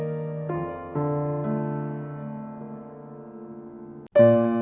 ผมรู้สิบสามทันทีแล้ว